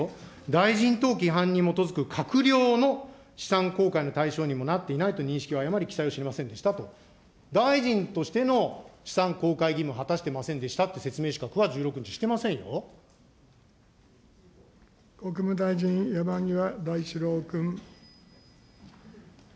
大臣等規範に基づく閣僚の資産公開の対象にもなっていないと認識を誤り、記載をしませんでしたと、大臣としての資産公開義務果たしてませんでしたっていう説明しか国務大臣、山際大志郎君。